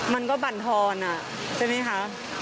มันก็บรรทอนใช่ไหมคะ